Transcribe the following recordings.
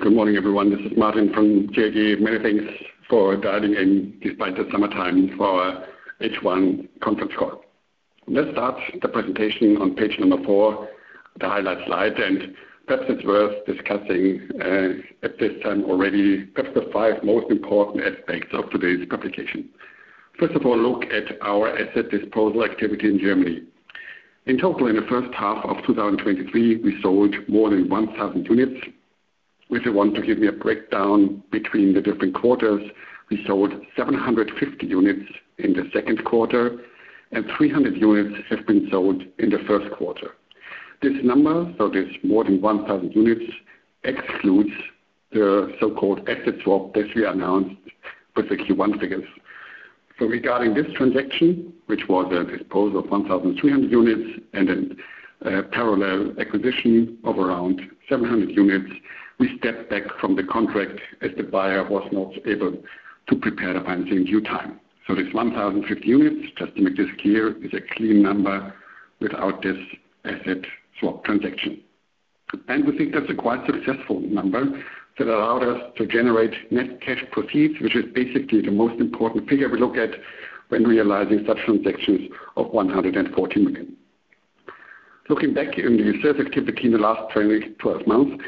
Good morning, everyone. This is Martin from TAG. Many thanks for dialing in despite the summertime for our H1 conference call. Let's start the presentation on page four, the highlight slide. Perhaps it's worth discussing at this time already, perhaps the five most important aspects of today's publication. First of all, look at our asset disposal activity in Germany. In total, in the first half of 2023, we sold more than 1,000 units. If you want to give me a breakdown between the different quarters, we sold 750 units in the second quarter. 300 units have been sold in the first quarter. This number, so this more than 1,000 units, excludes the so-called asset swap that we announced with the Q1 figures. Regarding this transaction, which was a disposal of 1,300 units and then parallel acquisition of around 700 units, we stepped back from the contract as the buyer was not able to prepare the financing due time. This 1,050 units, just to make this clear, is a clean number without this asset swap transaction. We think that's a quite successful number that allowed us to generate net cash proceeds, which is basically the most important figure we look at when realizing such transactions of 140 million. Looking back in the sales activity in the last 2012 months,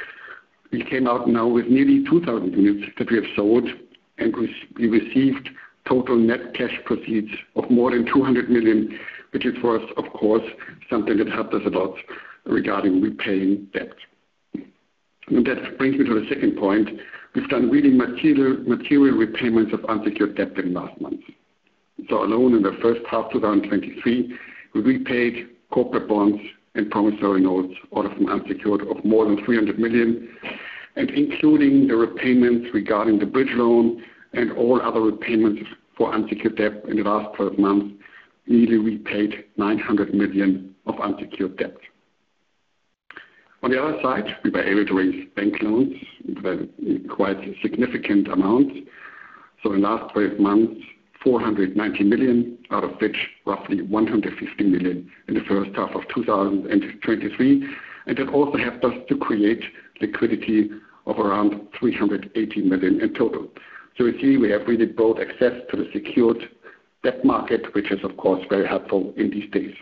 we came out now with nearly 2,000 units that we have sold and we, we received total net cash proceeds of more than 200 million, which is for us, of course, something that helped us a lot regarding repaying debt. That brings me to the second point. We've done really material, material repayments of unsecured debt in the last month. Alone in the first half of 2023, we repaid corporate bonds and promissory notes, all of them unsecured, of more than 300 million. Including the repayments regarding the bridge loan and all other repayments for unsecured debt in the last 12 months, nearly repaid 900 million of unsecured debt. On the other side, we were able to raise bank loans in quite a significant amount. In the last 12 months, 490 million, out of which roughly 150 million in the first half of 2023. That also helped us to create liquidity of around 318 million in total. We see we have really broad access to the secured debt market, which is, of course, very helpful in these days.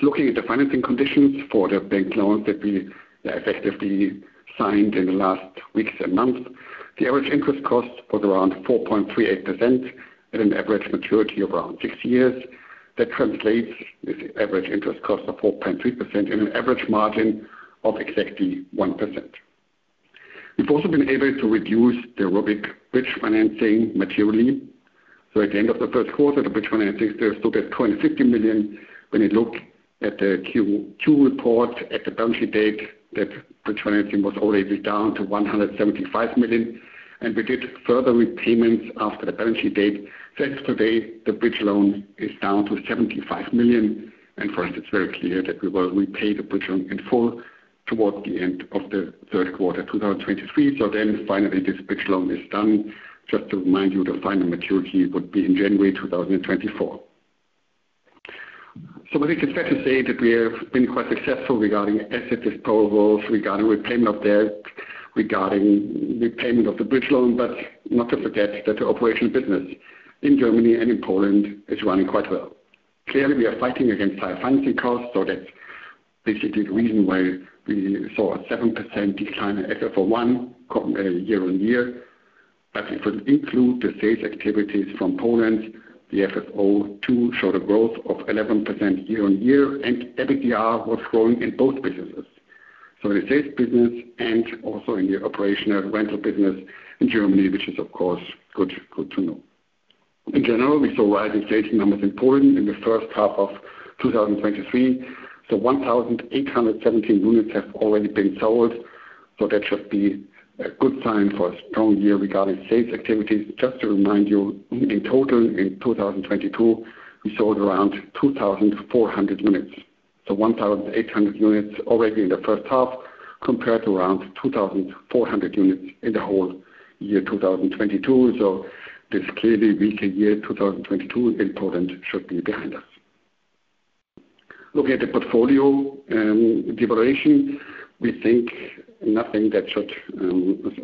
Looking at the financing conditions for the bank loans that we effectively signed in the last weeks and months, the average interest cost was around 4.38%, at an average maturity of around six years. That translates this average interest cost of 4.3% and an average margin of exactly 1%. We've also been able to reduce the ROBYG bridge financing materially. At the end of the first quarter, the bridge financing still stood at 250 million. When you look at the Q2 report at the balance sheet date, that the financing was already down to 175 million, and we did further repayments after the balance sheet date. As today, the bridge loan is down to 75 million, and for us, it's very clear that we will repay the bridge loan in full towards the end of the third quarter, 2023. Finally, this bridge loan is done. Just to remind you, the final maturity would be in January 2024. I think it's fair to say that we have been quite successful regarding asset disposals, regarding repayment of debt, regarding repayment of the bridge loan, but not to forget that the operational business in Germany and in Poland is running quite well. Clearly, we are fighting against higher financing costs, so that's basically the reason why we saw a 7% decline in FFO1, comp, year-on-year. If we include the sales activities from Poland, the FFO, too, show the growth of 11% year-on-year, and EBITDA was growing in both businesses. The sales business and also in the operational rental business in Germany, which is, of course, good, good to know. In general, we saw rising sales numbers in Poland in the first half of 2023. 1,817 units have already been sold, so that should be a good sign for a strong year regarding sales activities. Just to remind you, in total, in 2022, we sold around 2,400 units. 1,800 units already in the first half, compared to around 2,400 units in the whole year, 2022. This clearly weaker year, 2022, in Poland should be behind us. Looking at the portfolio, devaluation, we think nothing that should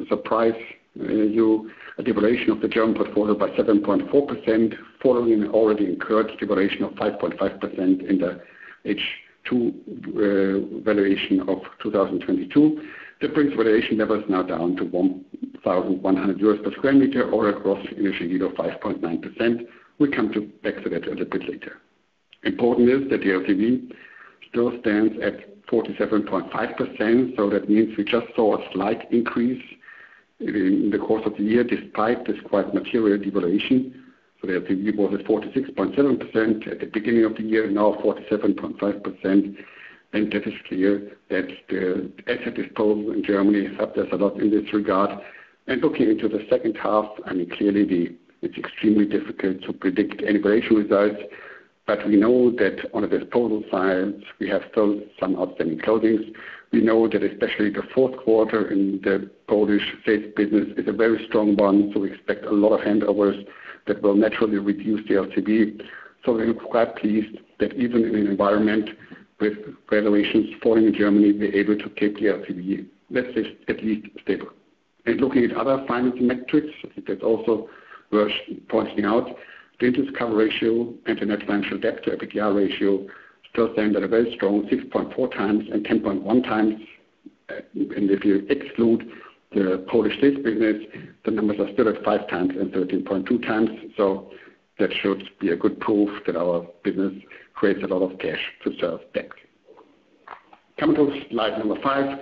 surprise you. A devaluation of the German portfolio by 7.4%, following an already incurred devaluation of 5.5% in the H2 valuation of 2022. That brings valuation levels now down to 1,100 euros per sq m or a gross initial yield of 5.9%. We come to back to that a little bit later. Important is that the LTV still stands at 47.5%, that means we just saw a slight increase in, in the course of the year, despite this quite material devaluation. The LTV was at 46.7% at the beginning of the year, now 47.5%, that is clear that the asset disposal in Germany helped us a lot in this regard. Looking into the second half, I mean, clearly it's extremely difficult to predict any valuation results, we know that on the disposal side, we have sold some outstanding closings. We know that especially the fourth quarter in the Polish sales business is a very strong one, so we expect a lot of handovers that will naturally reduce the LTV. We're quite pleased that even in an environment with valuations falling in Germany, we're able to keep the LTV, let's say, at least stable. Looking at other financing metrics, that also worth pointing out, the interest cover ratio and the net financial debt to EBITDA ratio still stand at a very strong 6.4x and 10.1x. If you exclude the Polish state business, the numbers are still at 5x and 13.2x. That should be a good proof that our business creates a lot of cash to serve debt. Coming to slide number five.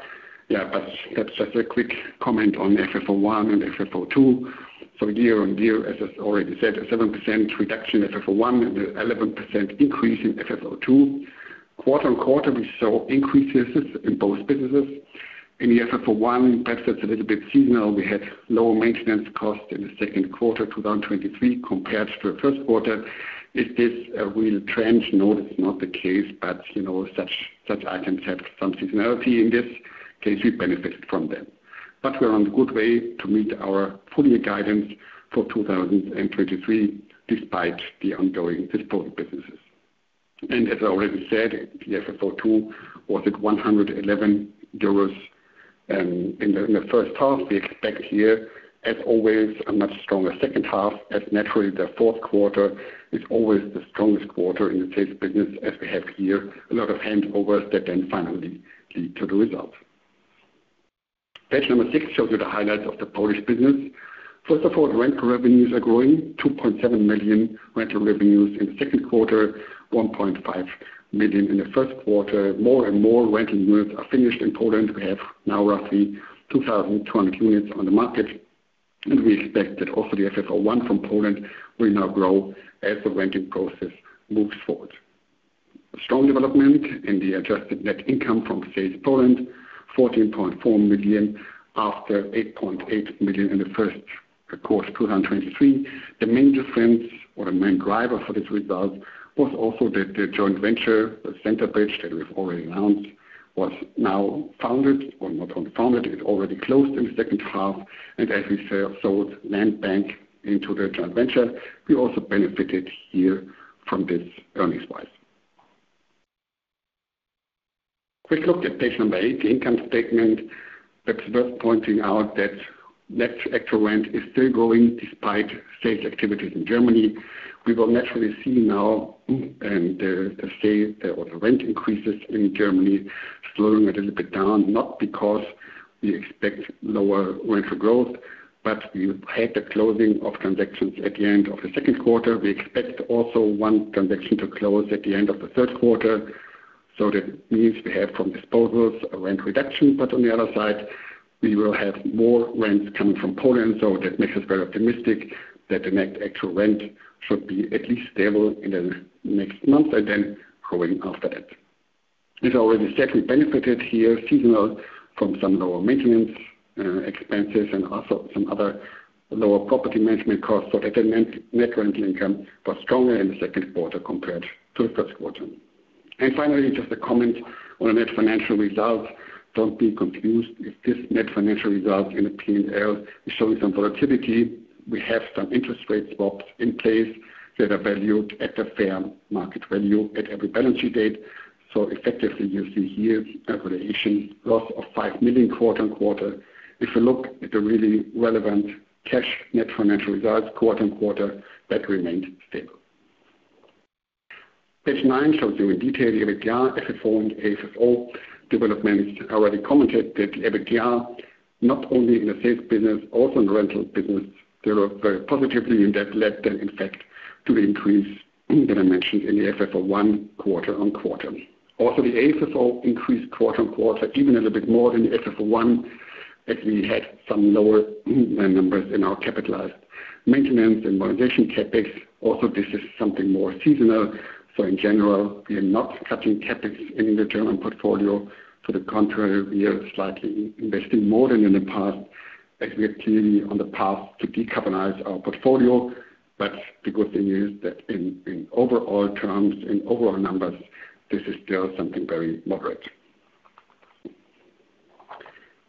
Yeah, but that's just a quick comment on FFO I and FFO II. Year-over-year, as I already said, a 7% reduction in FFO I, and the 11% increase in FFO II. Quarter-over-quarter, we saw increases in both businesses. In the FFO I, perhaps that's a little bit seasonal. We had lower maintenance costs in the second quarter, 2023, compared to the first quarter. Is this a real trend? No, that's not the case, you know, such, such items have some seasonality in this case, we benefited from them. We are on a good way to meet our full year guidance for 2023, despite the ongoing difficult businesses. As I already said, the FFO II was at 111 euros in the first half. We expect here, as always, a much stronger second half, as naturally, the fourth quarter is always the strongest quarter in the sales business, as we have here a lot of handovers that then finally lead to the result. Page number six shows you the highlights of the Polish business. First of all, the rental revenues are growing. 2.7 million rental revenues in the second quarter, 1.5 million in the first quarter. More and more rental units are finished in Poland. We have now roughly 2,200 units on the market, and we expect that also the FFO I from Poland will now grow as the renting process moves forward. A strong development in the adjusted net income from sales Poland, 14.4 million after 8.8 million in the first quarter, 2023. The main difference or the main driver for this result was also that the joint venture, the Centerbridge, that we've already announced, was now founded, or not only founded, it already closed in the second half. As we sell, sold land bank into the joint venture, we also benefited here from this earnings-wise. Quick look at page number eight, the income statement. That's worth pointing out that net actual rent is still growing despite sales activities in Germany. We will naturally see now and say, or the rent increases in Germany slowing a little bit down, not because we expect lower rental growth, but we had the closing of transactions at the end of the second quarter. We expect also one transaction to close at the end of the third quarter. That means we have from disposals, a rent reduction, but on the other side, we will have more rents coming from Poland. That makes us very optimistic that the net actual rent should be at least stable in the next months and then growing after that. This already certainly benefited here, seasonal from some lower maintenance expenses and also some other lower property management costs. That meant net rental income was stronger in the second quarter compared to the first quarter. Finally, just a comment on the net financial result. Don't be confused if this net financial result in the P&L is showing some volatility. We have some interest rate swaps in place that are valued at the fair market value at every balance sheet date. Effectively, you see here a valuation loss of 5 million quarter-on-quarter. If you look at the really relevant cash net financial result, quarter-on-quarter, that remained stable. Page nine shows you in detail the EBITDA, FFO, and AFFO developments. I already commented that the EBITDA, not only in the sales business, also in the rental business, they were very positively, and that led them, in fact, to the increase that I mentioned in the FFO I quarter-on-quarter. Also, the AFFO increased quarter-on-quarter, even a little bit more than the FFO I, as we had some lower numbers in our capitalized maintenance and modernization CapEx. This is something more seasonal. In general, we are not cutting CapEx in the German portfolio. To the contrary, we are slightly investing more than in the past as we are clearly on the path to decarbonize our portfolio. The good thing is that in, in overall terms, in overall numbers, this is still something very moderate.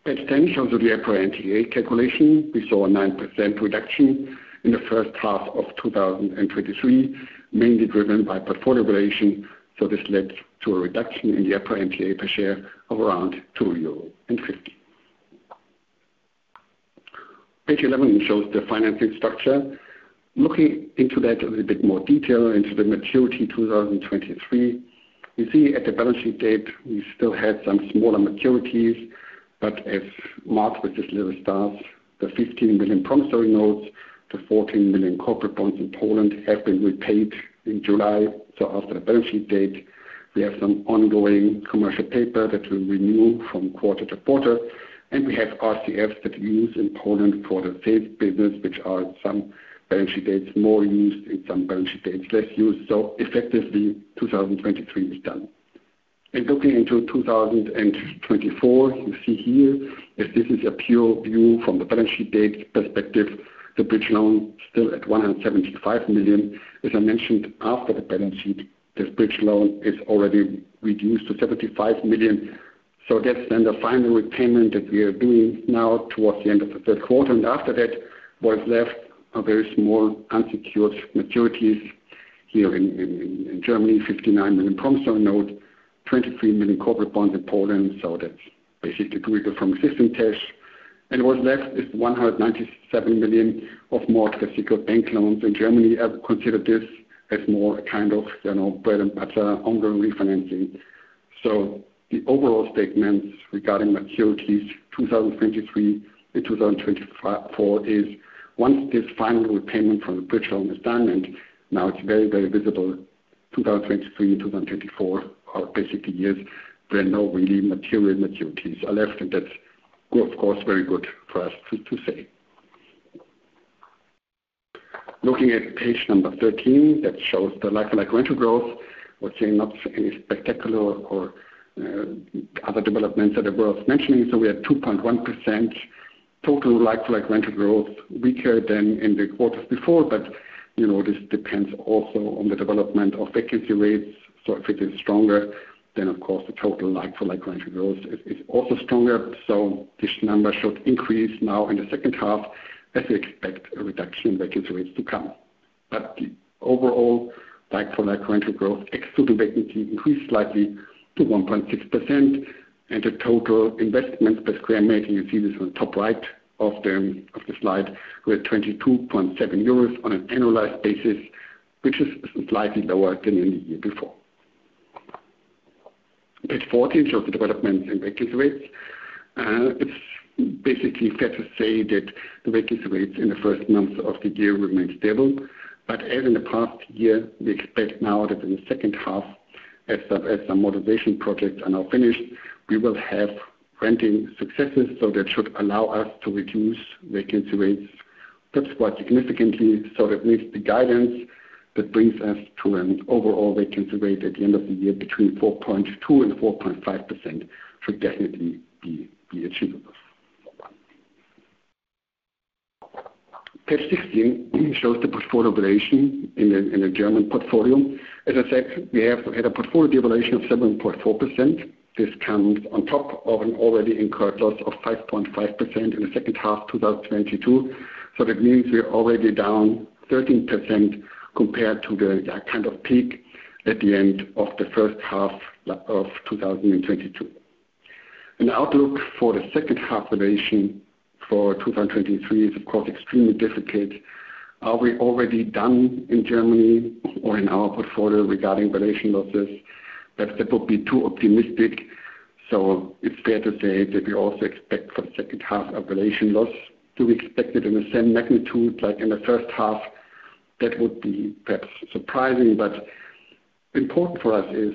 Page 10 shows you the EPRA NTA calculation. We saw a 9% reduction in H1 2023, mainly driven by portfolio valuation. This led to a reduction in the EPRA NTA per share of around EUR 2.50. Page 11 shows the financing structure. Looking into that a little bit more detail into the maturity 2023, you see at the balance sheet date, we still had some smaller maturities, as marked with this little star, the 15 million promissory notes, the 14 million corporate bonds in Poland have been repaid in July. After the balance sheet date, we have some ongoing commercial paper that will renew from quarter to quarter, and we have RCFs that we use in Poland for the sales business, which are some balance sheet dates, more used, in some balance sheet dates, less used. Effectively, 2023 is done. Looking into 2024, you see here, as this is a pure view from the balance sheet date perspective, the bridge loan still at 175 million. As I mentioned, after the balance sheet, this bridge loan is already reduced to 75 million. That's then the final repayment that we are doing now towards the end of the third quarter, and after that, what is left are very small, unsecured maturities.... here in, in, in Germany, 59 million promissory note, 23 million corporate bonds in Poland. That's basically coming from existing cash. What's left is 197 million of more classical bank loans in Germany. I would consider this as more a kind of, you know, bread and butter, ongoing refinancing. The overall statement regarding maturities, 2023-2024, is once this final repayment from the bridge loan is done, now it's very, very visible, 2023, 2024, are basically years where no really material maturities are left, and that's, of course, very good for us to, to say. Looking at page number 13, that shows the like-for-like rental growth, we're seeing not any spectacular or other developments that are worth mentioning. We had 2.1% total like-for-like rental growth, weaker than in the quarters before. You know, this depends also on the development of vacancy rates. If it is stronger, then of course, the total like-for-like rental growth is, is also stronger. This number should increase now in the second half, as we expect a reduction in vacancy rates to come. Overall, like-for-like rental growth, ex including vacancy, increased slightly to 1.6%, and the total investment per square meter, you see this on the top right of the, of the slide, were 22.7 euros on an annualized basis, which is slightly lower than in the year before. Page 14 shows the developments in vacancy rates. It's basically fair to say that the vacancy rates in the first months of the year remained stable. As in the past year, we expect now that in the second half, as some modernization projects are now finished, we will have renting successes. That should allow us to reduce vacancy rates, perhaps, quite significantly. That makes the guidance that brings us to an overall vacancy rate at the end of the year, between 4.2% and 4.5% should definitely be achievable. Page 16 shows the portfolio valuation in the German portfolio. As I said, we have had a portfolio valuation of 7.4%. This comes on top of an already incurred loss of 5.5% in the second half of 2022. That means we are already down 13% compared to the kind of peak at the end of the first half of 2022. Outlook for the second half valuation for 2023 is, of course, extremely difficult. Are we already done in Germany or in our portfolio regarding valuation losses? That would be too optimistic. It's fair to say that we also expect for the second half a valuation loss. Do we expect it in the same magnitude like in the first half? Would be perhaps surprising, but important for us is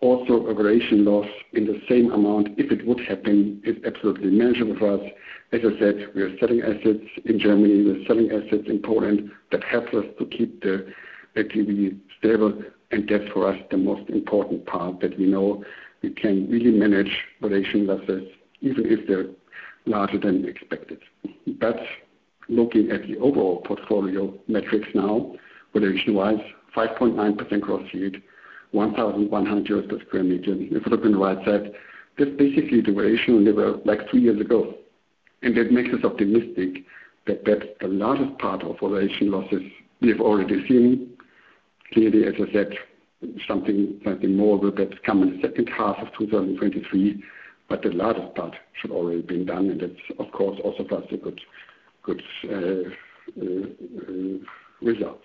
also a valuation loss in the same amount if it would happen, is absolutely manageable for us. As I said, we are selling assets in Germany, we are selling assets in Poland that help us to keep the activity stable, and that's for us, the most important part that we know we can really manage valuation losses, even if they're larger than expected. Looking at the overall portfolio metrics now, valuation wise, 5.9% gross yield, 1,100 euros per square meter. If you look on the right side, that's basically the valuation level, like three years ago. That makes us optimistic that the largest part of valuation losses we have already seen. Clearly, as I said, something, something more will, perhaps, come in the second half of 2023, but the largest part should already been done, and that's, of course, also for us, a good, good result.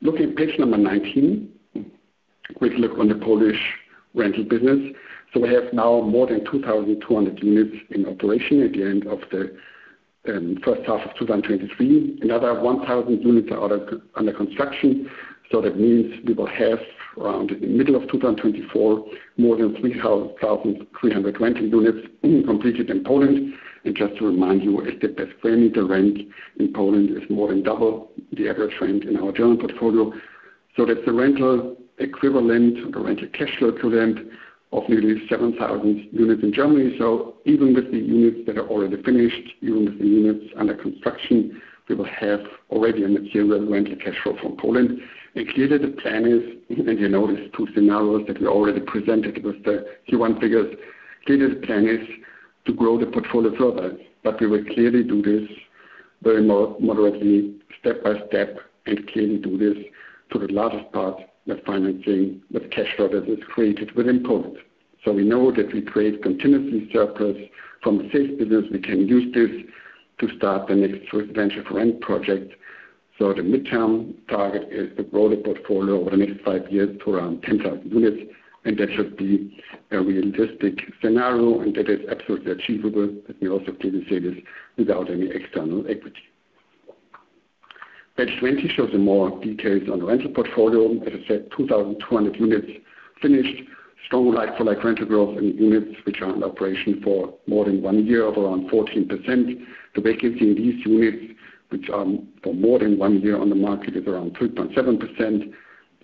Looking at page number 19, a quick look on the Polish rental business. We have now more than 2,200 units in operation at the end of the first half of 2023. Another 1,000 units are under construction. That means we will have, around the middle of 2024, more than 3,300 rental units completed in Poland. Just to remind you, the per square meter rent in Poland is more than double the average rent in our German portfolio. That's a rental equivalent, or rental cash flow equivalent of nearly 7,000 units in Germany. Even with the units that are already finished, even with the units under construction, we will have already a material rental cash flow from Poland. Clearly, the plan is, you know, there's two scenarios that we already presented with the Q1 figures. Clearly, the plan is to grow the portfolio further, but we will clearly do this very moderately, step by step, and clearly do this to the largest part, with financing, with cash flow that is created within Poland. We know that we create continuously surplus from safe business. We can use this to start the next venture for rent project. The midterm target is to grow the portfolio over the next five years to around 10,000 units, and that should be a realistic scenario, and that is absolutely achievable. Let me also clearly say this, without any external equity. Page 20 shows some more details on the rental portfolio. As I said, 2,200 units finished. Strong like-for-like rental growth in units, which are in operation for more than one year of around 14%. The vacancy in these units, which are for more than one year on the market, is around 3.7%.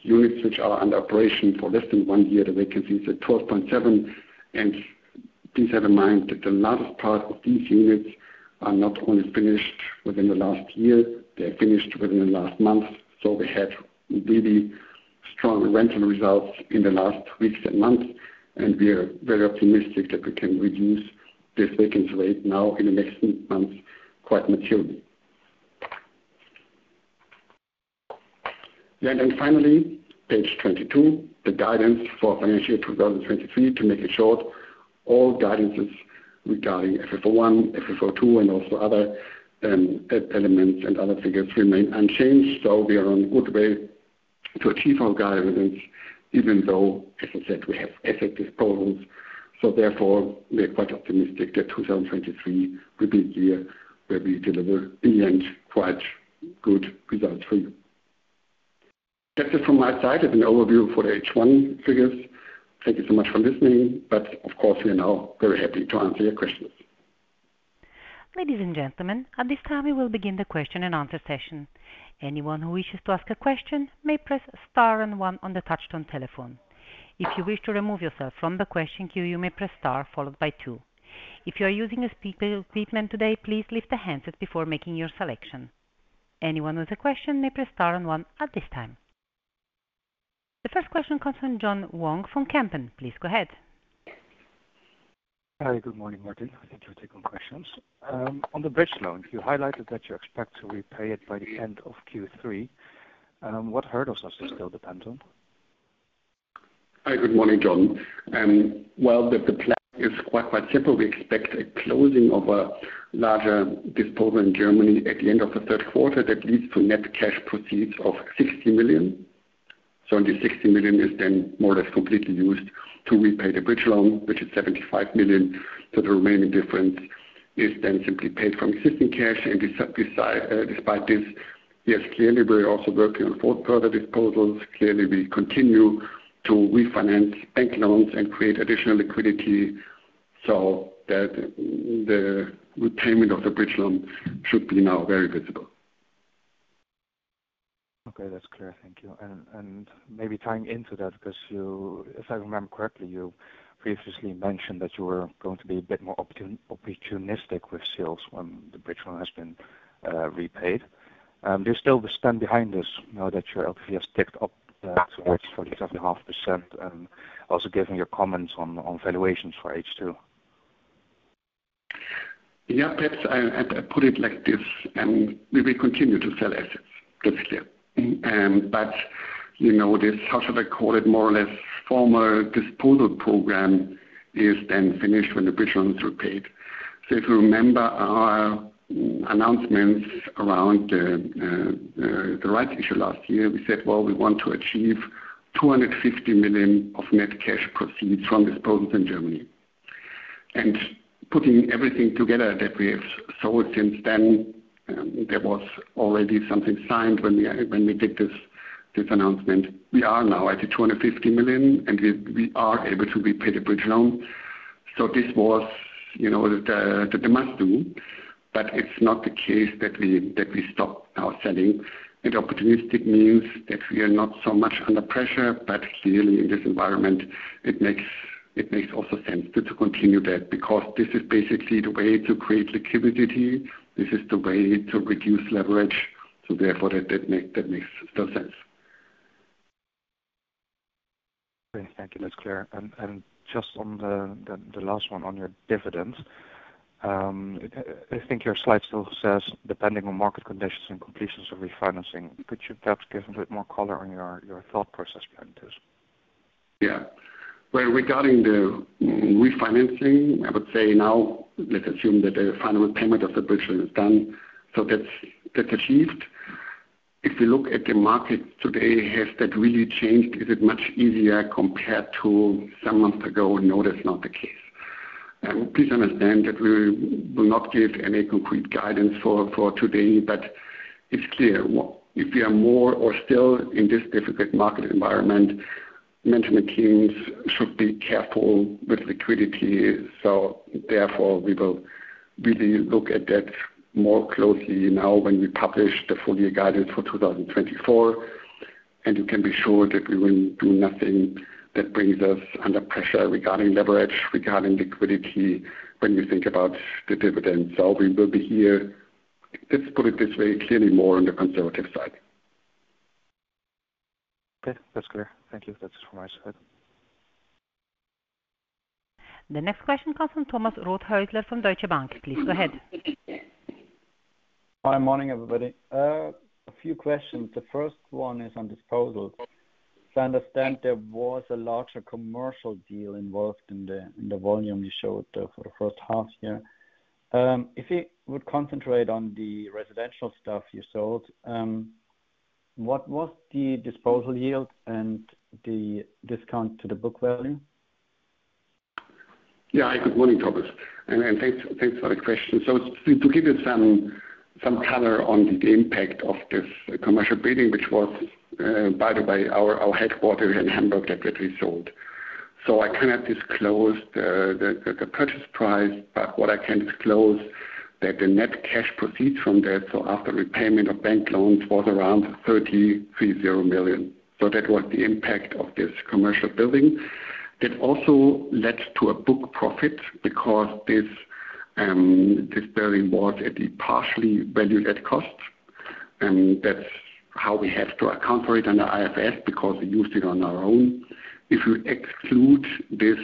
Units, which are under operation for less than one year, the vacancy is at 12.7%. Please have in mind that the largest part of these units are not only finished within the last year, they are finished within the last month. We had strong rental results in the last weeks and months, and we are very optimistic that we can reduce this vacancy rate now in the next few months, quite materially. Finally, page 22, the guidance for financial year 2023. To make it short, all guidances regarding FFO I, FFO II, and also other elements and other figures remain unchanged. We are on good way to achieve our guidance, even though, as I said, we have asset disposals. Therefore, we are quite optimistic that 2023 will be the year where we deliver, in the end, quite good results for you. That's it from my side, is an overview for the H1 figures. Thank you so much for listening, but of course, we are now very happy to answer your questions. Ladies and gentlemen, at this time, we will begin the question and answer session. Anyone who wishes to ask a question may press star and one on the touchtone telephone. If you wish to remove yourself from the question queue, you may press star, followed by two. If you are using a speaker equipment today, please lift the handset before making your selection. Anyone with a question may press star and one at this time. The first question comes from John Wong from Kempen. Please go ahead. Hi, good morning, Martin. Thank you for taking questions. On the bridge loan, you highlighted that you expect to repay it by the end of Q3. What hurdles does this still depend on? Hi, good morning, John. Well, the plan is quite simple. We expect a closing of a larger disposal in Germany at the end of the third quarter. That leads to net cash proceeds of 60 million. The 60 million is then more or less completely used to repay the bridge loan, which is 75 million. The remaining difference is then simply paid from existing cash. Despite this, yes, clearly, we're also working on four further disposals. Clearly, we continue to refinance bank loans and create additional liquidity so that the repayment of the bridge loan should be now very visible. Okay, that's clear. Thank you. Maybe tying into that, 'cause if I remember correctly, you previously mentioned that you were going to be a bit more opportunistic with sales when the bridge loan has been repaid. Do you still stand behind this now that your LTV has ticked up towards 47.5%, and also giving your comments on, on valuations for H2? Yeah, perhaps I, I put it like this, and we will continue to sell assets. That's clear. But, you know, this, how should I call it, more or less former disposal program is then finished when the bridge loans are paid. If you remember our announcements around the rights issue last year, we said, well, we want to achieve 250 million of net cash proceeds from disposals in Germany. Putting everything together that we have sold since then, there was already something signed when we, when we did this, this announcement. We are now at the 250 million, and we, we are able to repay the bridge loan. This was, you know, the, the must do, but it's not the case that we, that we stop now selling. Opportunistic means that we are not so much under pressure, but clearly in this environment, it makes, it makes also sense to, to continue that, because this is basically the way to create liquidity. This is the way to reduce leverage, so therefore, that, that make, that makes still sense. Okay. Thank you. That's clear. Just on the, the, the last one on your dividends. I, I think your slide still says, "Depending on market conditions and completions of refinancing," could you perhaps give a bit more color on your, your thought process behind this? Yeah. Well, regarding the refinancing, I would say now, let's assume that the final payment of the bridge loan is done, so that's, that's achieved. If you look at the market today, has that really changed? Is it much easier compared to some months ago? No, that's not the case. Please understand that we will not give any concrete guidance for, for today, but it's clear, what, if we are more or still in this difficult market environment, management teams should be careful with liquidity. Therefore, we will really look at that more closely now when we publish the full year guidance for 2024. You can be sure that we will do nothing that brings us under pressure regarding leverage, regarding liquidity, when we think about the dividend. We will be here. Let's put it this way, clearly more on the conservative side. Okay. That's clear. Thank you. That's it from my side. The next question comes from Thomas Rothäusler from Deutsche Bank. Please go ahead. Hi, morning, everybody. A few questions. The first one is on disposals. I understand there was a larger commercial deal involved in the volume you showed for the first half year. If you would concentrate on the residential stuff you sold, what was the disposal yield and the discount to the book value? Yeah. Hi, good morning, Thomas, and, and thanks, thanks for the question. To, to give you some, some color on the impact of this commercial building, which was, by the way, our, our headquarter in Hamburg that we sold. I cannot disclose the, the, the purchase price, but what I can disclose that the net cash proceeds from that, so after repayment of bank loans, was around 30 million. That was the impact of this commercial building. That also led to a book profit, because this building was at the partially valued at cost, and that's how we have to account for it under IFRS, because we used it on our own. If you exclude this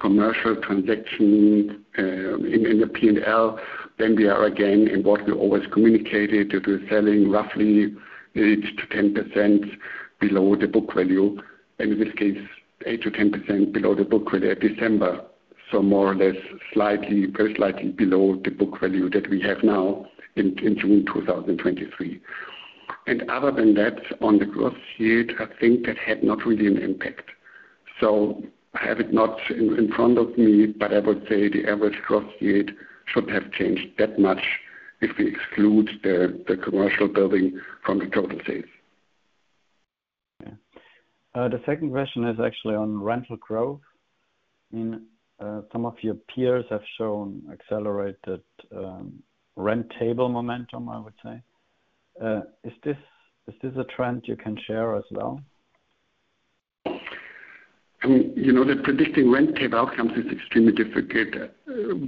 commercial transaction, in the P&L, then we are again in what we always communicated, that we're selling roughly 8%-10% below the book value, and in this case, 8%-10% below the book value at December. More or less, slightly, very slightly below the book value that we have now in June 2023. Other than that, on the growth yield, I think that had not really an impact. I have it not in front of me, but I would say the average growth yield shouldn't have changed that much if we exclude the commercial building from the total sales. Yeah. The second question is actually on rental growth. I mean, some of your peers have shown accelerated rent table momentum, I would say. Is this, is this a trend you can share as well? I mean, you know that predicting rent table outcomes is extremely difficult.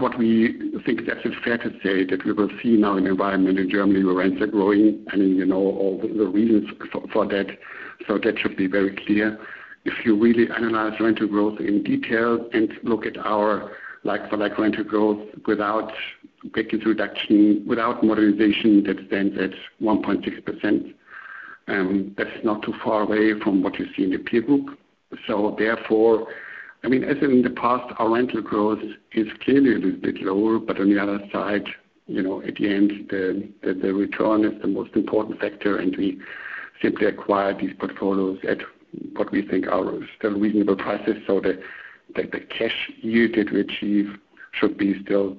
What we think that is fair to say that we will see now an environment in Germany where rents are growing, and you know all the reasons for, for that. That should be very clear. If you really analyze rental growth in detail and look at our like-for-like rental growth, without vacancy reduction, without modernization, that stands at 1.6%. That's not too far away from what you see in the peer group. Therefore, I mean, as in the past, our rental growth is clearly a little bit lower. On the other side, you know, at the end, the return is the most important factor, and we simply acquire these portfolios at what we think are still reasonable prices. The cash yield that we achieve should be still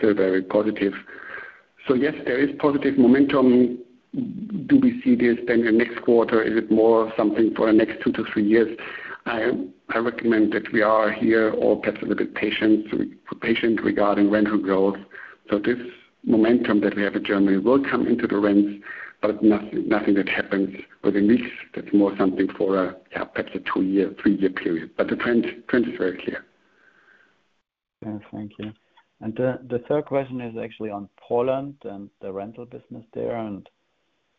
very positive. Yes, there is positive momentum. Do we see this then in next quarter, is it more something for the next two to three years? I recommend that we are here, all perhaps a little bit patient regarding rental growth. This momentum that we have in Germany will come into the rents, but nothing, nothing that happens within weeks. That's more something for a, perhaps a two-year, three-year period, but the trend is very clear. Yeah. Thank you. The, the third question is actually on Poland and the rental business there and,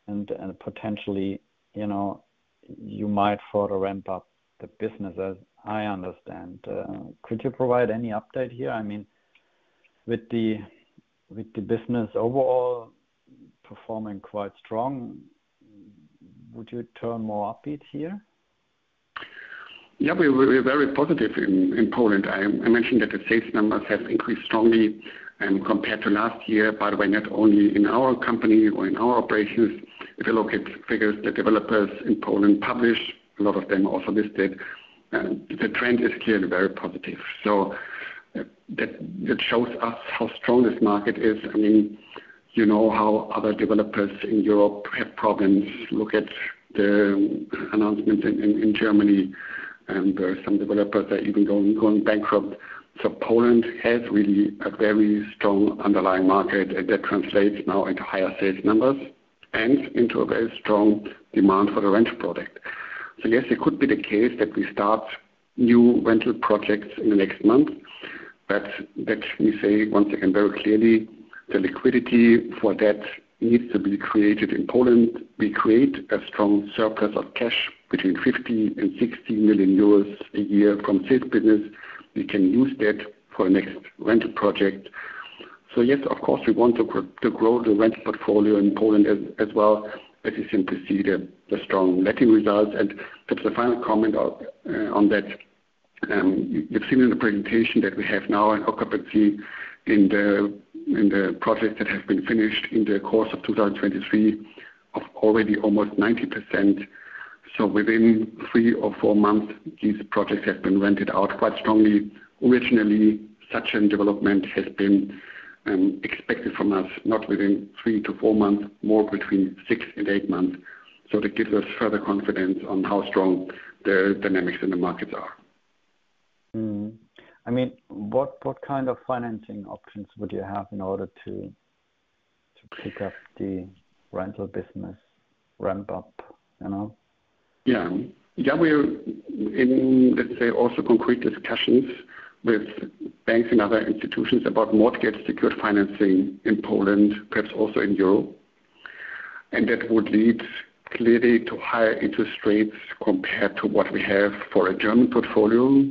and, and potentially, you know, you might further ramp up the business, as I understand. Could you provide any update here? I mean, with the, with the business overall performing quite strong, would you turn more upbeat here? Yeah, we're, we're very positive in, in Poland. I, I mentioned that the sales numbers have increased strongly compared to last year, by the way, not only in our company or in our operations. If you look at figures, the developers in Poland publish, a lot of them also listed, the trend is clearly very positive. That, that shows us how strong this market is. I mean, you know how other developers in Europe have problems. Look at the announcement in, in, in Germany, and there are some developers that are even going, going bankrupt. Poland has really a very strong underlying market, and that translates now into higher sales numbers and into a very strong demand for the rental product. Yes, it could be the case that we start new rental projects in the next month, but that we say, once again, very clearly, the liquidity for that needs to be created in Poland. We create a strong surplus of cash between 50 million-60 million euros a year from sales business. We can use that for the next rental project. Yes, of course, we want to grow the rental portfolio in Poland as well. As you simply see the strong letting results. Perhaps the final comment on that, you've seen in the presentation that we have now an occupancy in the projects that have been finished in the course of 2023, of already almost 90%. Within three or four months, these projects have been rented out quite strongly. Originally, such a development has been expected from us, not within three to four months, more between six and eight months. That gives us further confidence on how strong the dynamics in the markets are. Mm. I mean, what, what kind of financing options would you have in order to, to pick up the rental business ramp up, you know? Yeah. Yeah, we're in, let's say, also concrete discussions with banks and other institutions about mortgage-secured financing in Poland, perhaps also in Europe. That would lead clearly to higher interest rates compared to what we have for a German portfolio.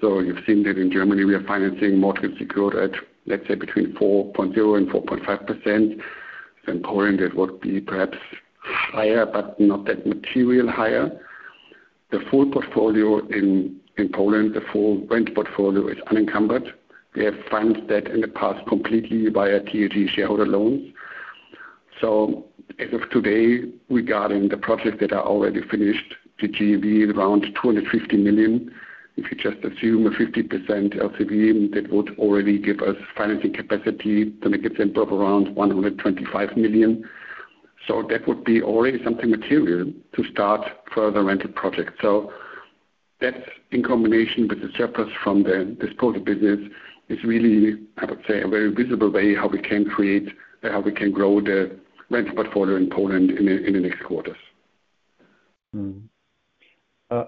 You've seen that in Germany, we are financing mortgage secured at, let's say, between 4.0 and 4.5%. In Poland, that would be perhaps higher, but not that material higher. The full portfolio in, in Poland, the full rent portfolio is unencumbered. We have funded that in the past completely via TLG shareholder loans. As of today, regarding the projects that are already finished, the TLG around 250 million. If you just assume a 50% LTV, that would already give us financing capacity, to make it simple, of around 125 million. That would be already something material to start further rental projects. That, in combination with the surplus from the disposal business, is really, I would say, a very visible way, how we can create, how we can grow the rental portfolio in Poland in the, in the next quarters.... Mm-hmm.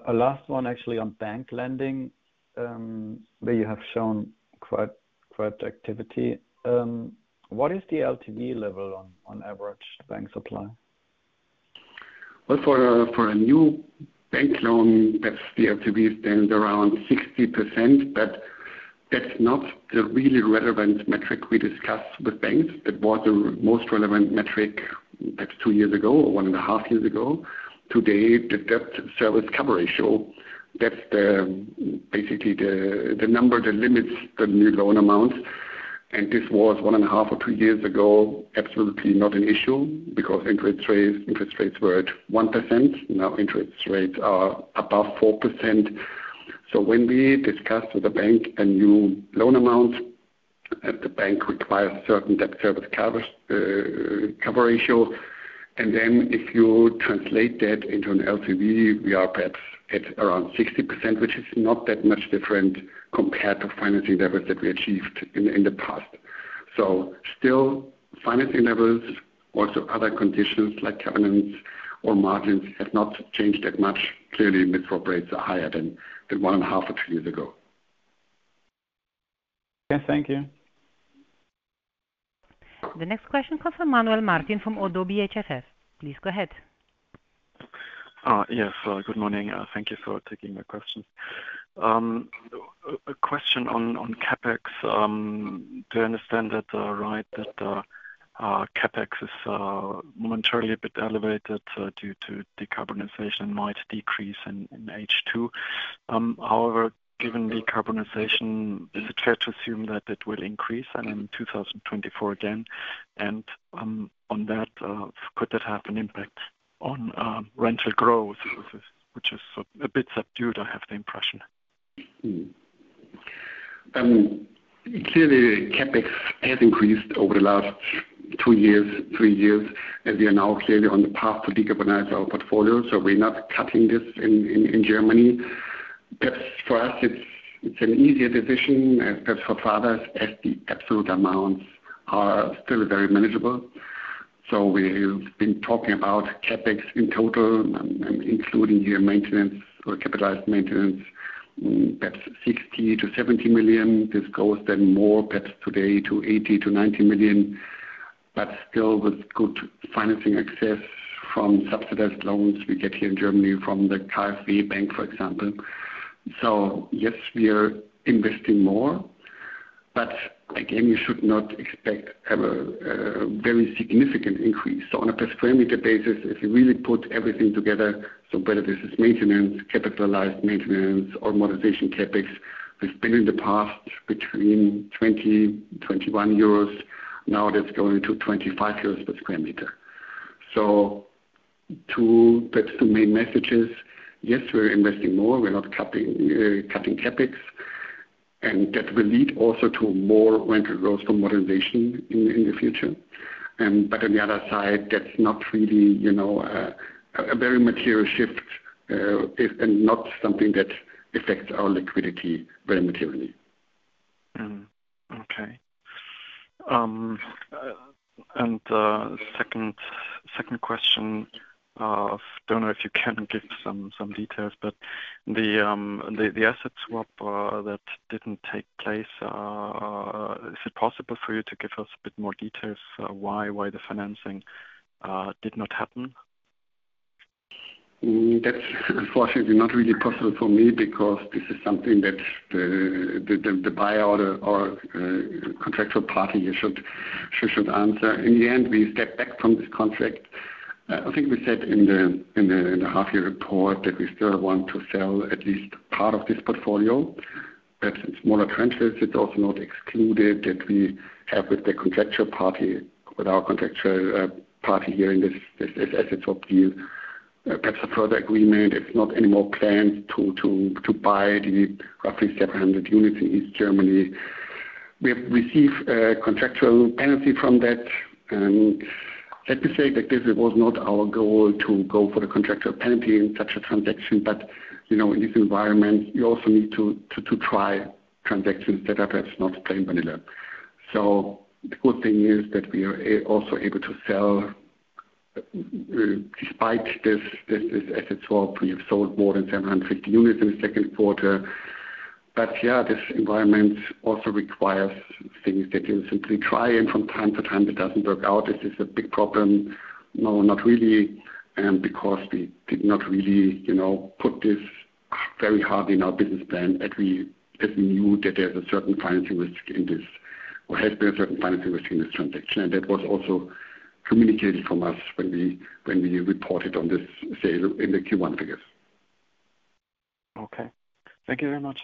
A last one actually on bank lending, where you have shown quite, quite activity. What is the LTV level on, on average, the bank supply? Well, for a new bank loan, that's the LTV stands around 60%, but that's not the really relevant metric we discuss with banks. That was the most relevant metric perhaps two years ago or 1.5 years ago. Today, the debt service coverage ratio, that's the basically the number that limits the new loan amount, and this was 1.5 or two years ago, absolutely not an issue because interest rates, interest rates were at 1%. Now interest rates are above 4%. When we discuss with the bank a new loan amount, and the bank requires certain debt service covers cover ratio, and then if you translate that into an LTV, we are perhaps at around 60%, which is not that much different compared to financing levels that we achieved in, in the past. Still, financing levels, also other conditions like covenants or margins, have not changed that much. Clearly, mid-term rates are higher than, than one and a half or two years ago. Okay. Thank you. The next question comes from Manuel Martin from ODDO BHF. Please go ahead. Yes. Good morning. Thank you for taking my question. A question on CapEx. Do I understand right, that CapEx is momentarily a bit elevated due to decarbonization might decrease in H2? However, given decarbonization, is it fair to assume that it will increase in 2024 again? On that, could that have an impact on rental growth, which is a bit subdued, I have the impression? Clearly, CapEx has increased over the last two years, three years. We are now clearly on the path to decarbonize our portfolio, so we're not cutting this in Germany. That's for us, it's, it's an easier decision, and perhaps for others, as the absolute amounts are still very manageable. We've been talking about CapEx in total, including here maintenance or capitalized maintenance, perhaps 60 million-70 million. This goes then more perhaps today to 80 million-90 million, but still with good financing access from subsidized loans we get here in Germany from the KfW bank, for example. Yes, we are investing more. Again, you should not expect to have a very significant increase. On a per square meter basis, if you really put everything together, so whether this is maintenance, capitalized maintenance, or modernization CapEx, it's been in the past between 20-21 euros. Now that's going to 25 euros per sq m. That's the main message is, yes, we're investing more. We're not cutting, cutting CapEx, and that will lead also to more rental growth from modernization in the future. On the other side, that's not really, you know, a very material shift, if and not something that affects our liquidity very materially. Mm. Okay. Second question. Don't know if you can give some details, but the asset swap that didn't take place, is it possible for you to give us a bit more details why the financing did not happen? That's unfortunately not really possible for me because this is something that the, the, the buyer or, or, contractual party should, should, should answer. In the end, we stepped back from this contract. I think we said in the, in the, in the half year report that we still want to sell at least part of this portfolio. In smaller trenches, it's also not excluded, that we have with the contractual party, with our contractual party here in this, this, this asset swap deal. Perhaps a further agreement, it's not anymore planned to, to, to buy the roughly 700 units in East Germany. We have received a contractual penalty from that, and let me say that this was not our goal to go for the contractual penalty in such a transaction. You know, in this environment, you also need to try transactions that are perhaps not plain vanilla. The good thing is that we are also able to sell, despite this asset swap, we have sold more than 750 units in the second quarter. Yeah, this environment also requires things that you simply try, and from time to time, it doesn't work out. Is this a big problem? No, not really, because we did not really, you know, put this very hard in our business plan as we knew that there's a certain financing risk in this or has been a certain financing risk in this transaction. That was also communicated from us when we reported on this sale in the Q1 figures. Okay. Thank you very much.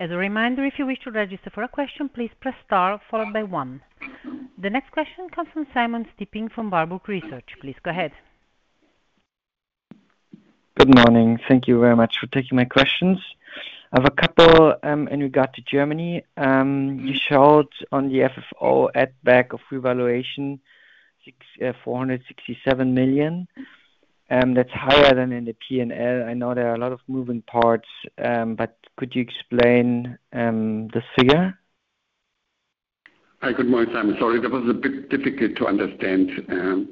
As a reminder, if you wish to register for a question, please press star followed by one. The next question comes from Simon Stippig from Berenberg Research. Please go ahead. Good morning. Thank you very much for taking my questions. I have a couple in regard to Germany. You showed on the FFO at back of revaluation, 467 million, that's higher than in the P&L. I know there are a lot of moving parts, but could you explain this figure?... Hi, good morning, Simon. Sorry, that was a bit difficult to understand,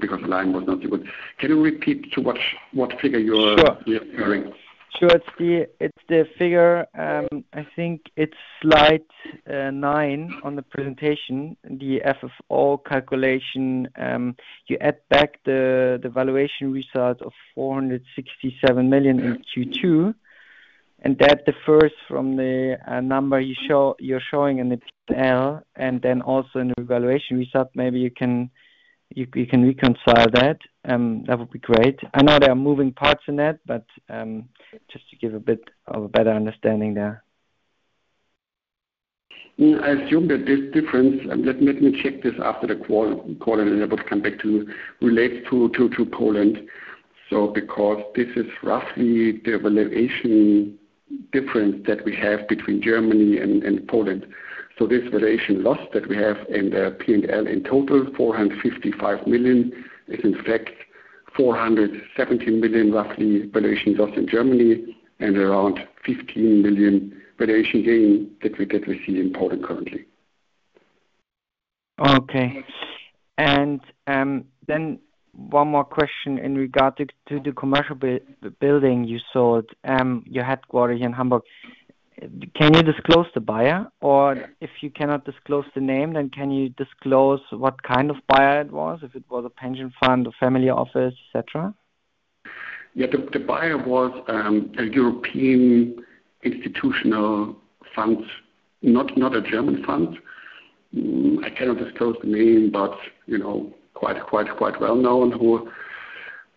because the line was not so good. Can you repeat to what, what figure you're- Sure. Referring? Sure. It's the, it's the figure, I think it's slide 9 on the presentation, the FFO calculation. You add back the valuation result of 467 million in Q2. That differs from the number you're showing in the P&L, and then also in the valuation result. Maybe you can reconcile that, that would be great. I know there are moving parts in that, just to give a bit of a better understanding there. Yeah, I assume that this difference, let me check this after the quarter, and I will come back to you. Relates to Poland. Because this is roughly the valuation difference that we have between Germany and Poland. This valuation loss that we have in the P&L in total, 455 million, is in fact, 470 million, roughly, valuation loss in Germany and around 15 million valuation gain that we see in Poland currently. Okay. One more question in regard to, to the commercial building you sold, your headquarter here in Hamburg. Can you disclose the buyer, or if you cannot disclose the name, can you disclose what kind of buyer it was, if it was a pension fund, a family office, et cetera? Yeah, the, the buyer was a European institutional fund, not, not a German fund. I cannot disclose the name, but, you know, quite, quite, quite well known, who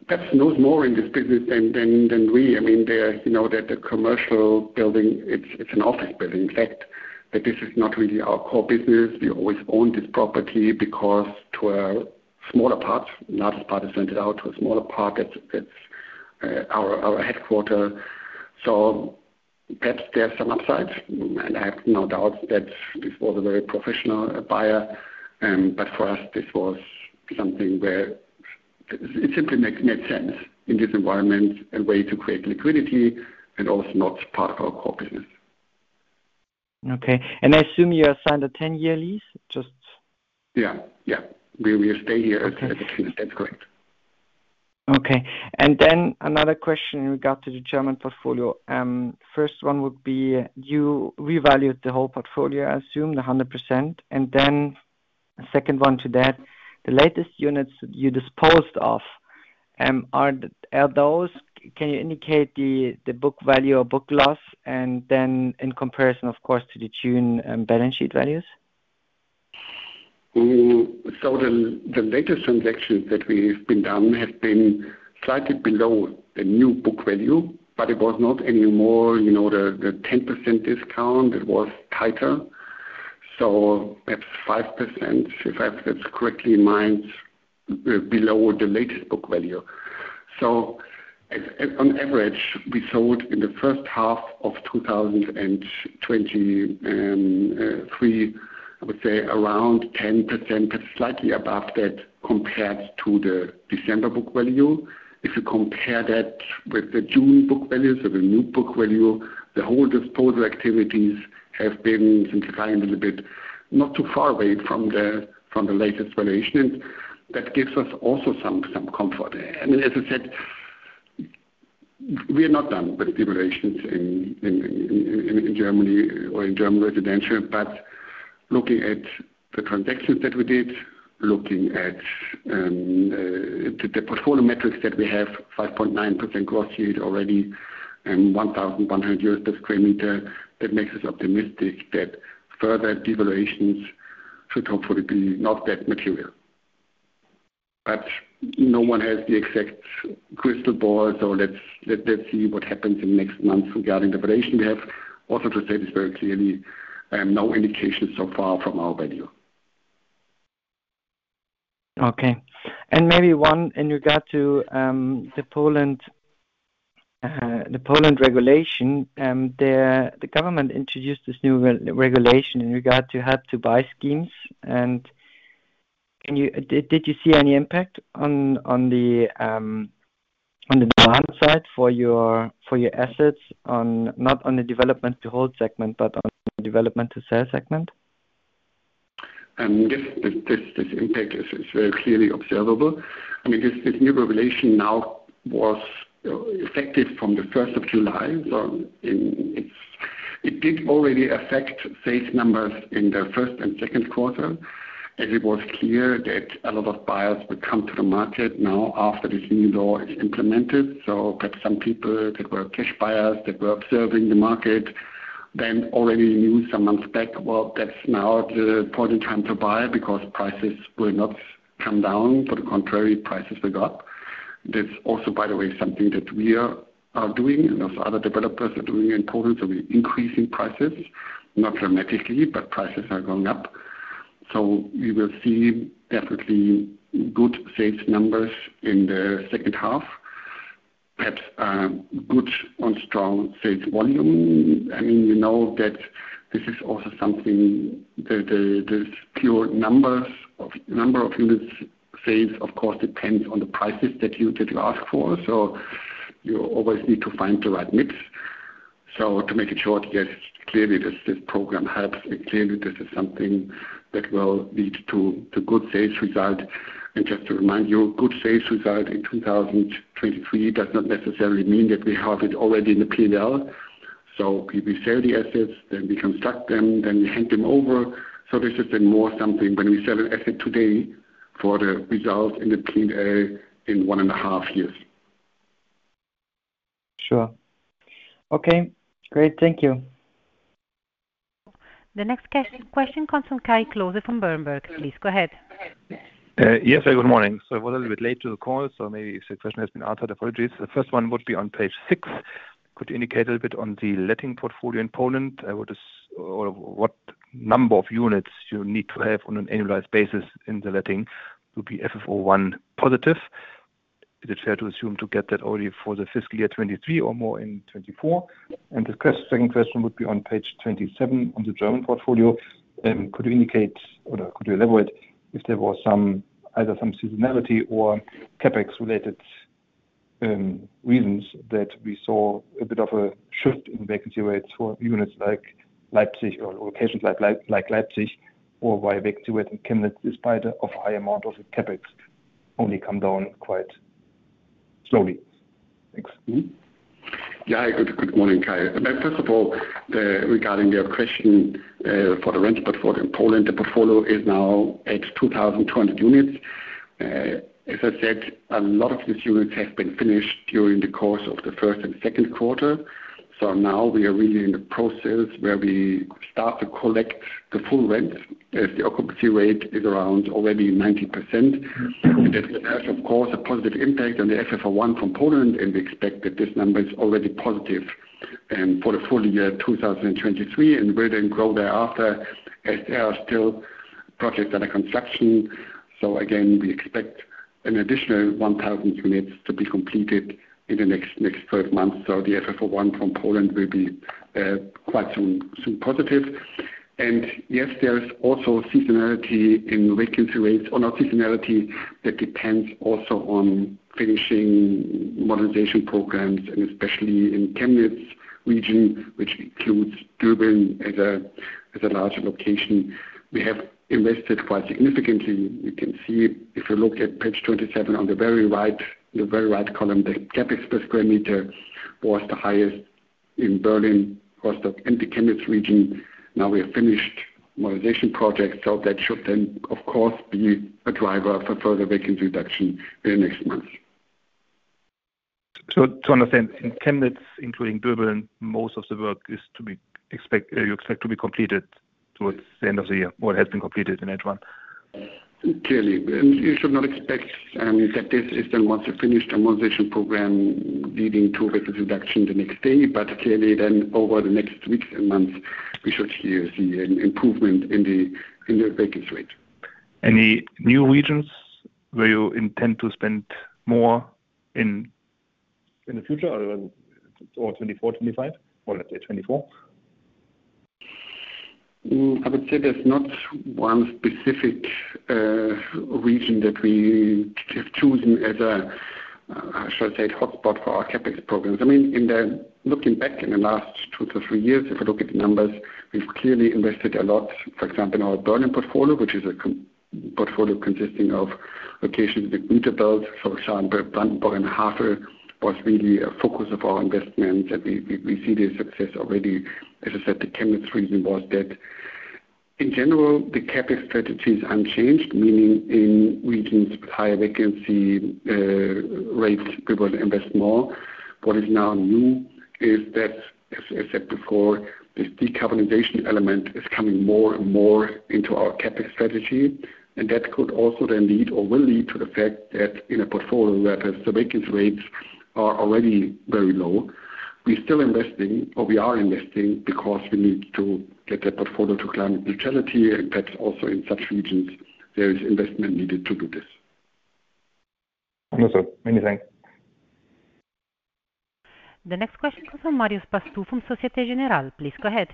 perhaps knows more in this business than, than, than we. I mean, they're, you know, that the commercial building, it's, it's an office building. In fact, that this is not really our core business. We always own this property because to a smaller part, not as part is rented out, to a smaller part, it's, it's our, our headquarter. Perhaps there's some upside, and I have no doubt that this was a very professional buyer, but for us, this was something where it simply made sense in this environment, a way to create liquidity and also not part of our core business. Okay. I assume you assigned a 10-year lease, just- Yeah. Yeah, we will stay here. Okay. That's correct. Okay. Another question in regard to the German portfolio. First one would be, you revalued the whole portfolio, I assume, the 100%. The second one to that, the latest units you disposed of, are those, can you indicate the book value or book loss, and then in comparison, of course, to the June balance sheet values? The latest transactions that we've been done has been slightly below the new book value, but it was not any more, you know, the 10% discount, it was tighter. Perhaps 5%, if I have this correctly in mind, below the latest book value. At, on average, we sold in the first half of 2023, I would say around 10%, but slightly above that, compared to the December book value. If you compare that with the June book value, so the new book value, the whole disposal activities have been simplified a little bit, not too far away from the latest valuation. That gives us also some, some comfort. I mean, as I said, we are not done with the valuations in Germany or in German residential. Looking at the transactions that we did, looking at the portfolio metrics that we have, 5.9% gross yield already and 1,100 per sq m, that makes us optimistic that further devaluations should hopefully be not that material. No one has the exact crystal ball, so let's see what happens in the next months regarding the valuation. We have also to say this very clearly, no indication so far from our value. Okay. Maybe one in regard to the Poland, the Poland regulation. The government introduced this new regulation in regard to how to buy schemes. Did you see any impact on, on the, on the demand side for your, for your assets on. Not on the development to hold segment, but on the development to sell segment? This impact is very clearly observable. I mean, this new regulation now was effective from the 1st of July. It did already affect sales numbers in the 1st and 2nd quarter, as it was clear that a lot of buyers would come to the market now after this new law is implemented. Perhaps some people that were cash buyers, that were observing the market, then already knew some months back, well, that's now the probably time to buy because prices will not come down. On contrary, prices will go up. That's also, by the way, something that we are doing and those other developers are doing in Poland. We're increasing prices, not dramatically, but prices are going up. We will see definitely good sales numbers in the 2nd half, but good on strong sales volume. I mean, we know that this is also something the pure number of units sales, of course, depends on the prices that you, that you ask for. You always need to find the right mix. To make it short, yes, clearly this, this program helps, and clearly this is something that will lead to, to good sales result. Just to remind you, good sales result in 2023 does not necessarily mean that we have it already in the P&L. If we sell the assets, then we construct them, then we hand them over. This is then more something when we sell an asset today for the result in the P&L in one and a half years. Sure. Okay, great. Thank you. The next question comes from Kai Klose from Berenberg. Please go ahead. Yes, very good morning. I was a little bit late to the call, so maybe if the question has been answered, apologies. The first one would be on page six. Could you indicate a little bit on the letting portfolio in Poland? What is or what number of units you need to have on an annualized basis in the letting to be FFO I positive? Is it fair to assume to get that only for the fiscal year 2023 or more in 2024? The second question would be on page 27 on the German portfolio. Could you indicate or could you elaborate if there was some, either some seasonality or CapEx related, reasons that we saw a bit of a shift in vacancy rates for units like Leipzig or locations like Leipzig, or why vacancy rate in Chemnitz, despite of high amount of CapEx, only come down quite slowly? Thanks. Yeah. Good morning, Kai. First of all, regarding your question, for the rent portfolio in Poland, the portfolio is now at 2,200 units. As I said, a lot of these units have been finished during the course of the first and second quarter. Now we are really in the process where we start to collect the full rent, as the occupancy rate is around already 90%. That has, of course, a positive impact on the FFO I from Poland, and we expect that this number is already positive for the full year 2023, and will then grow thereafter, as there are still projects under construction. Again, we expect an additional 1,000 units to be completed in the next, next 12 months. The FFO I from Poland will be quite soon, soon positive. Yes, there is also seasonality in vacancy rates or not seasonality that depends also on finishing modernization programs, and especially in Chemnitz region, which includes Döbeln as a, as a larger location. We have invested quite significantly. You can see, if you look at page 27 on the very right, the very right column, the CapEx per square meter was the highest in Berlin, across the entire Chemnitz region. Now, we have finished modernization projects, so that should then, of course, be a driver for further vacancy reduction in the next months. To understand, in Chemnitz, including Döbeln, most of the work is to be expect, you expect to be completed towards the end of the year, or it has been completed in H1? Clearly, you should not expect that this is then once you've finished a modernization program leading to vacancy reduction the next day, but clearly then over the next weeks and months, we should hear the improvement in the vacancy rate. Any new regions where you intend to spend more in, in the future or, or 2024, 2025, or let's say 2024? I would say there's not one specific region that we have chosen as a hotspot for our CapEx programs. Looking back in the last two to three years, if you look at the numbers, we've clearly invested a lot. For example, in our Berlin portfolio, which is a portfolio consisting of locations within the in belt, for example, Brandenburg and Havel, was really a focus of our investment, and we see the success already. As I said, the Chemnitz region was that. In general, the CapEx strategies unchanged, meaning in regions with higher vacancy rates, we will invest more. What is now new is that, as I said before, this decarbonization element is coming more and more into our CapEx strategy, and that could also then lead or will lead to the fact that in a portfolio that has the vacancy rates are already very low, we're still investing, or we are investing because we need to get that portfolio to climate neutrality, and that's also in such regions, there is investment needed to do this. Awesome. Many thanks. The next question comes from Marius Basto from Société Générale. Please go ahead.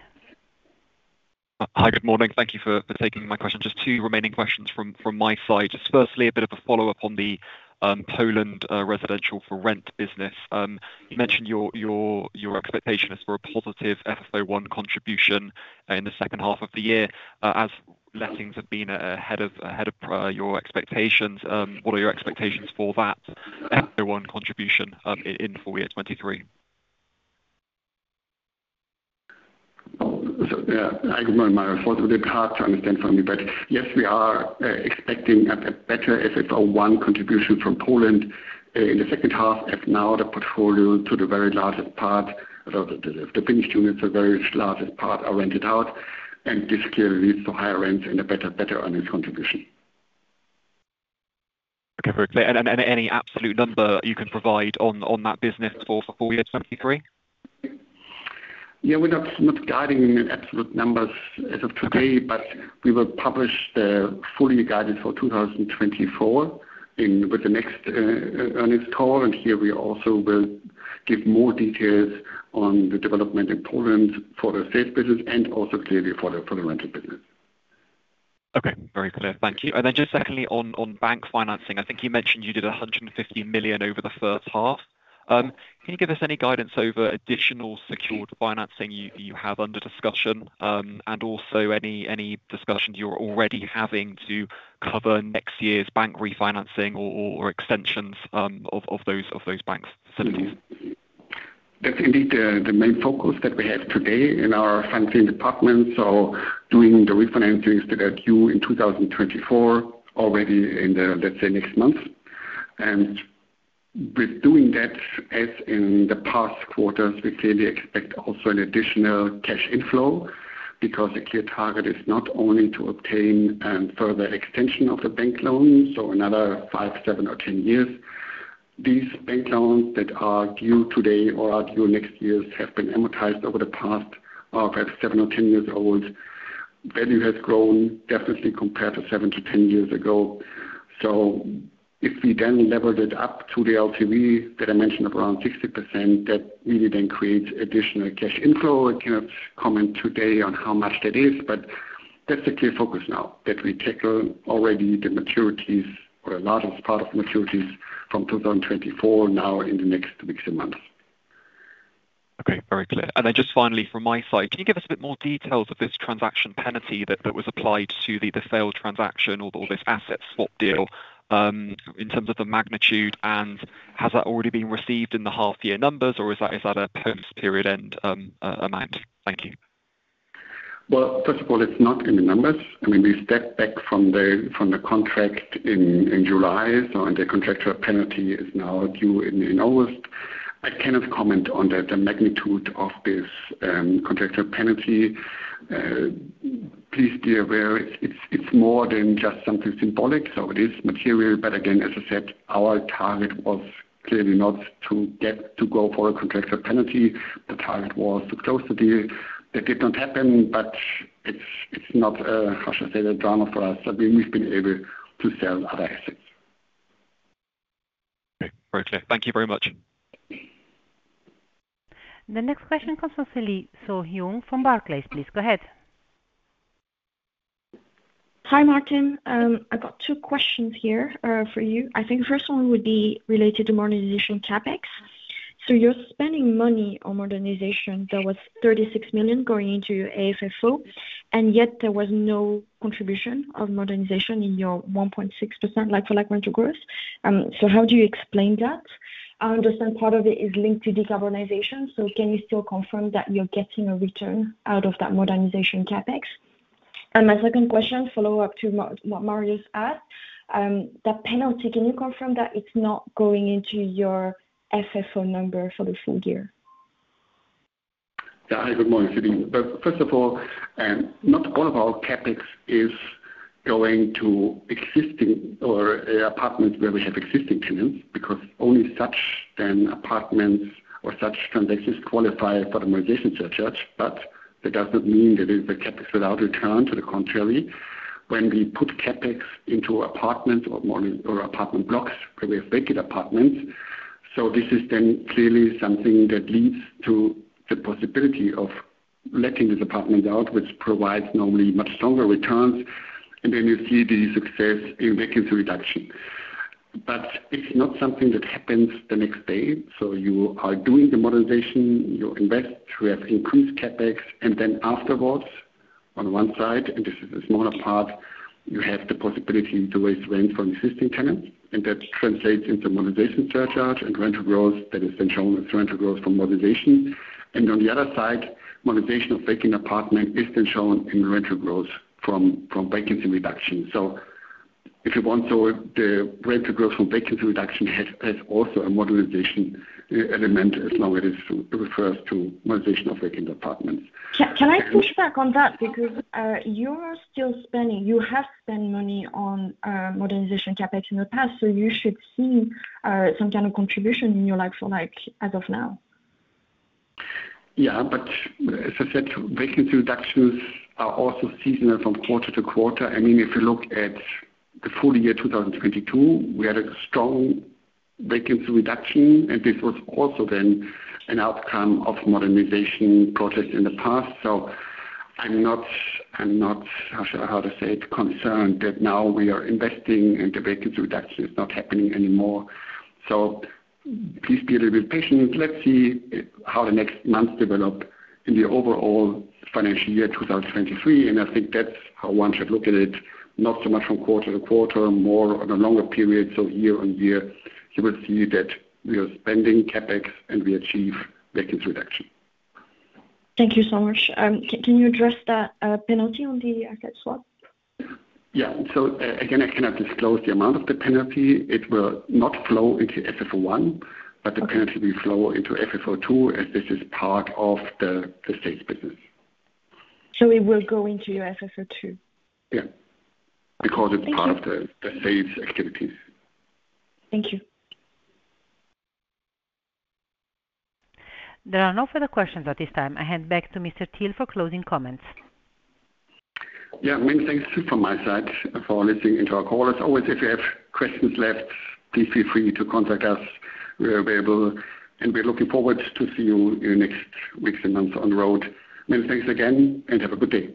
Hi, good morning. Thank you for, for taking my question. Just two remaining questions from, from my side. Just firstly, a bit of a follow-up on the Poland residential for rent business. You mentioned your, your, your expectation as for a positive FFO I contribution in the 2nd half of the year. As lettings have been ahead of, ahead of your expectations, what are your expectations for that FFO I contribution in full year 2023? Yeah, hi, good morning, Marius. It's a bit hard to understand for me, but yes, we are expecting a better FFO I contribution from Poland in the second half, as now the portfolio to the very largest part, the finished units, a very largest part are rented out, and this clearly leads to higher rents and a better, better earnings contribution. Okay, very clear. Any absolute number you can provide on, on that business for, for full year 2023? Yeah, we're not guiding absolute numbers as of today. Okay. We will publish the full year guidance for 2024 in with the next earnings call, and here we also will give more details on the development in Poland for the sales business and also clearly for the, for the rental business.... Okay, very clear. Thank you. Then just secondly, on, on bank financing, I think you mentioned you did 150 million over the first half. Can you give us any guidance over additional secured financing you, you have under discussion? Also any, any discussions you're already having to cover next year's bank refinancing or, or, extensions, of, of those, of those banks facilities? That's indeed the, the main focus that we have today in our financing department. Doing the refinancings that are due in 2024, already in the, let's say, next month. With doing that, as in the past quarters, we clearly expect also an additional cash inflow, because the clear target is not only to obtain further extension of the bank loans, so another five, seven or 10 years. These bank loans that are due today or are due next year, have been amortized over the past, perhaps seven or 10 years old. Value has grown definitely compared to seven to 10 years ago. If we then leveled it up to the LTV that I mentioned, around 60%, that really then creates additional cash inflow. I cannot comment today on how much that is, but that's the clear focus now, that we tackle already the maturities or a large part of maturities from 2024 now in the next weeks and months. Okay, very clear. Then just finally, from my side, can you give us a bit more details of this transaction penalty that, that was applied to the, the failed transaction or this asset swap deal, in terms of the magnitude, and has that already been received in the half-year numbers, or is that, is that a post-period end amount? Thank you. Well, first of all, it's not in the numbers. I mean, we stepped back from the, from the contract in July, so and the contractual penalty is now due in August. I cannot comment on the magnitude of this contractual penalty. Please be aware, it's more than just something symbolic, so it is material. Again, as I said, our target was clearly not to get to go for a contractual penalty. The target was to close the deal. That did not happen, but it's not, how should I say, the drama for us. I mean, we've been able to sell other assets. Okay. Very clear. Thank you very much. The next question comes from Celine Sohieung from Barclays. Please, go ahead. Hi, Martin. I got two questions here for you. I think the first one would be related to modernization CapEx. You're spending money on modernization. There was 36 million going into your AFFO, and yet there was no contribution of modernization in your 1.6% like-for-like rental growth. How do you explain that? I understand part of it is linked to decarbonization. Can you still confirm that you're getting a return out of that modernization CapEx? My second question, follow up to what Marius asked. That penalty, can you confirm that it's not going into your FFO number for the full year? Yeah. Hi, good morning, Celine. First of all, not all of our CapEx is going to existing or apartments where we have existing tenants, because only such then apartments or such transactions qualify for the modernization surcharge. That does not mean that it's the CapEx without return to the contrary, when we put CapEx into apartments or apartment blocks, where we have vacant apartments. This is then clearly something that leads to the possibility of letting this apartment out, which provides normally much stronger returns, and then you see the success in vacancy reduction. It's not something that happens the next day. You are doing the modernization, you invest, we have increased CapEx. Then afterwards, on one side, and this is a smaller part, you have the possibility to raise rent from existing tenants, and that translates into modernization surcharge and rental growth. That is then shown as rental growth from modernization. On the other side, modernization of vacant apartment is then shown in rental growth from vacancy reduction. If you want, the rental growth from vacancy reduction has also a modernization element as long as it refers to modernization of vacant apartments. Can I push back on that? Because you are still spending, you have spent money on modernization CapEx in the past, so you should see some kind of contribution in your like-for-like, as of now. As I said, vacancy reductions are also seasonal from quarter-to-quarter. I mean, if you look at the full year, 2022, we had a strong vacancy reduction, and this was also then an outcome of modernization projects in the past. I'm not concerned that now we are investing and the vacancy reduction is not happening anymore. Please be a little bit patient. Let's see how the next months develop in the overall financial year, 2023, and I think that's how one should look at it, not so much from quarter-to-quarter, more on a longer period. Year-on-year, you will see that we are spending CapEx, and we achieve vacancy reduction. Thank you so much. Can you address that penalty on the asset swap? Yeah. Again, I cannot disclose the amount of the penalty. It will not flow into FFO I. Okay. The penalty will flow into FFO II, as this is part of the sales business. It will go into your FFO II? Yeah, because it's part of the, the sales activities. Thank you. There are no further questions at this time. I hand back to Mr. Thiel for closing comments. Yeah, many thanks from my side for listening into our call. As always, if you have questions left, please feel free to contact us. We are available, and we're looking forward to see you in the next weeks and months on the road. Many thanks again, and have a good day.